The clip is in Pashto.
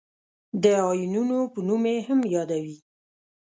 د آیونونو په نوم یې هم یادوي.